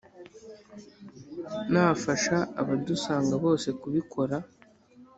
nafasha abadusanga bose kubikora